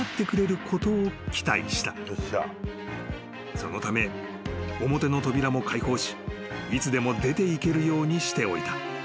［そのため表の扉も開放しいつでも出ていけるようにしておいた］